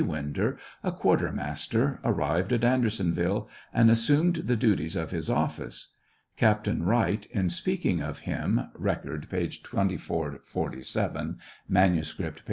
Winder, a quartermaster, arrived at Andersonviile and assumed the duties of his office. Captain Wright, in speakingof him (Record, p. 2447; manuscript, p.